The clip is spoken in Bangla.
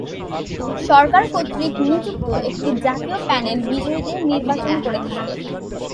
সরকার কর্তৃক নিযুক্ত একটি জাতীয় প্যানেল বিজয়ীদের নির্বাচন করে থাকে।